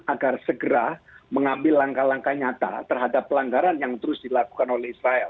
agar segera mengambil langkah langkah nyata terhadap pelanggaran yang terus dilakukan oleh israel